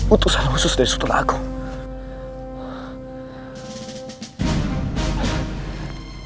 utusan khusus dari sutra agung